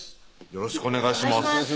よろしくお願いします